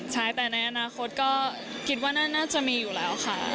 ใช่แต่ในอนาคตก็คิดว่าน่าจะมีอยู่แล้วค่ะ